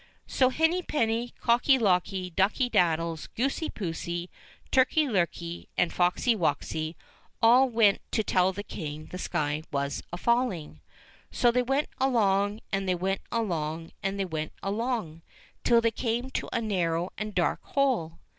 So Henny penny, Cocky locky, Ducky daddies, Goosey poosey, Turkey lurkey, and Foxy woxy all went to tell the King the sky was a falling. So they went along, and they went along, and they went along, till they came to a narrow and dark hole.